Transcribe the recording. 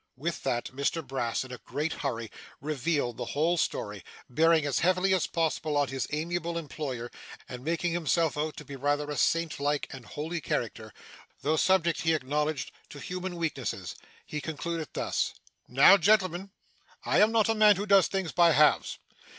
With that, Mr Brass, in a great hurry, revealed the whole story; bearing as heavily as possible on his amiable employer, and making himself out to be rather a saint like and holy character, though subject he acknowledged to human weaknesses. He concluded thus: 'Now, gentlemen, I am not a man who does things by halves.